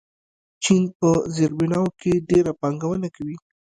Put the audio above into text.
چین په زیربناوو کې ډېره پانګونه کوي.